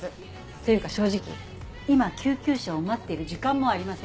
っていうか正直今救急車を待っている時間もありません。